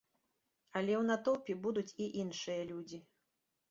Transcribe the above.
Але ў натоўпе будуць і іншыя людзі.